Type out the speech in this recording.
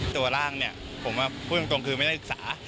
ตัวร่างเนี่ยผมพูดตรงคือไม่ได้ศึกษา